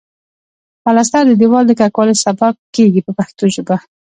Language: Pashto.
پلستر د دېوال د کلکوالي سبب کیږي په پښتو ژبه.